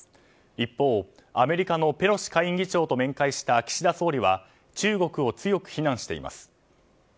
一方、アメリカのペロシ下院議長と面会した岸田総理は中国を強く非難しています。